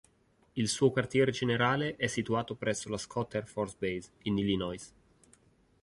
Il suo quartier generale è situato presso la Scott Air Force Base, in Illinois.